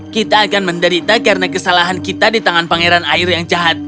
kita akan menderita karena kesalahan kita di tangan pangeran air yang jahat